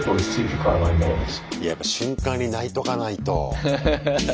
やっぱ瞬間に泣いとかないと。